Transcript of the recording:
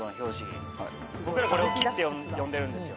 これを柝って呼んでるんですよ